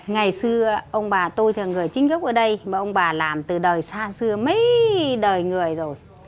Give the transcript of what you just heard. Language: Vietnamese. ngày xưa ông bà tôi là người chính gốc ở đây mà ông bà làm từ đời xa xưa mấy đời người rồi